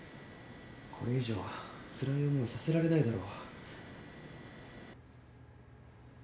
これ以上つらい思いさせられないだろ？